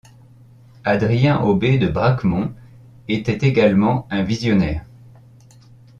Adrien Aubé de Bracquemont était également un visionnaire.